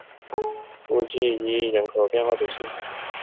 乌济伊人口变化图示